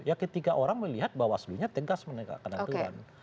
ya ketika orang melihat bahwa selunya tegas menekankan aturan